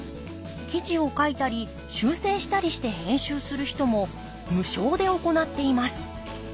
記事を書いたり修正したりして編集する人も無償で行っています。